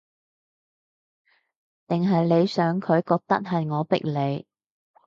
定係你想佢覺得，係我逼你